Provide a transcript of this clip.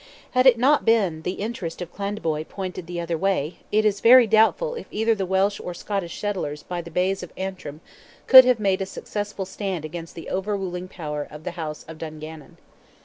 Had it not been that the interest of Clandeboy pointed the other way, it is very doubtful if either the Welsh or Scottish settlers by the bays of Antrim could have made a successful stand against the overruling power of the house of Dungannon.